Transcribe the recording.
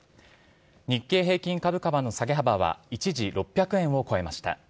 日経平均株価の下げ幅は一時６００円を超えました。